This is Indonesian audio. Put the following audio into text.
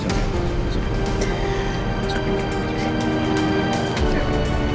saya temenin ke dalam